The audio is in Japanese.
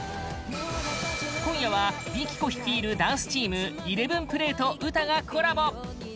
今夜は、ＭＩＫＩＫＯ率いるダンスチームＥＬＥＶＥＮＰＬＡＹとウタがコラボ！